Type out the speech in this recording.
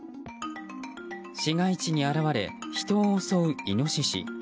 市街地に現れ、人を襲うイノシシ。